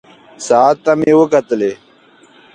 ساعت ته مې وکتلې.